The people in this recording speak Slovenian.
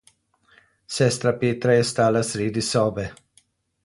Sestra Petra je stala sredi sobe.